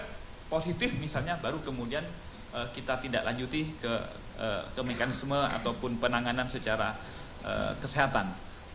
kalau positif misalnya baru kemudian kita tindak lanjuti ke mekanisme ataupun penanganan secara kesehatan